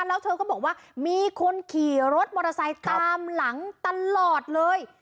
แล้วเธอก็บอกว่ามีคนขี่รถมอเตอร์ไซค์ตามหลังตลอดเลย